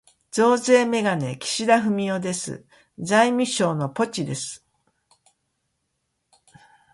増税めがね事、岸田文雄です。財務省のポチです。